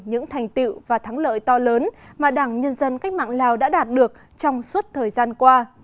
những thành tiệu và thắng lợi to lớn mà đảng nhân dân cách mạng lào đã đạt được trong suốt thời gian qua